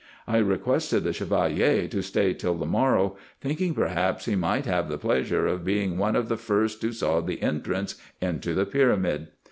I requested the Chevalier to stay till the morrow, thinking perhaps he might have the pleasure of being one of the first who saw the entrance into the pyramid.